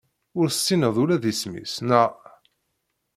Ur tessineḍ ula d isem-is, neɣ?